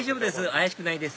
怪しくないです